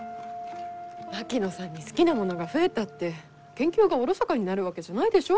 槙野さんに好きなものが増えたって研究がおろそかになるわけじゃないでしょ？